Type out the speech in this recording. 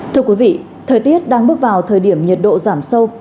thưa quý vị thời tiết đang bước vào thời điểm nhiệt độ giảm sâu